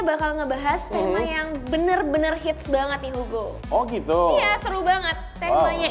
bakal ngebahas tema yang bener bener hits banget nih hugo oh gitu iya seru banget temanya